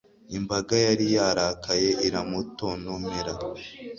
Imbaga yari yarakaye iramutontomera